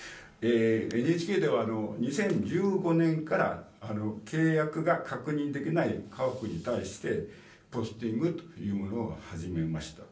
ＮＨＫでは、２０１５年から、契約が確認できない家屋に対して、ポスティングというものを始めました。